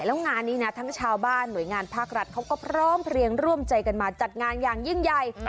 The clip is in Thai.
แล้วงานนี้นะทั้งชาวบ้านหน่วยงานภาครัฐเขาก็พร้อมเพลียงร่วมใจกันมาจัดงานอย่างยิ่งใหญ่